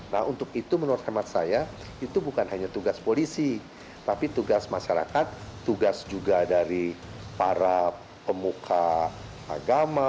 nah untuk itu menurut hemat saya itu bukan hanya tugas polisi tapi tugas masyarakat tugas juga dari para pemuka agama